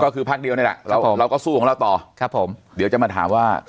ก็คือพักเดียวนี่แหละเราก็สู้ของเราต่อครับผมเดี๋ยวจะมาถามว่า